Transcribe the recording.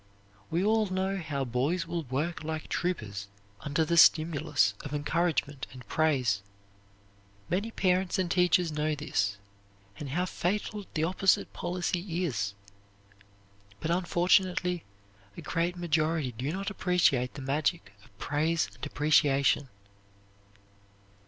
We all know how boys will work like troopers under the stimulus of encouragement and praise. Many parents and teachers know this, and how fatal the opposite policy is. But unfortunately a great majority do not appreciate the magic of praise and appreciation.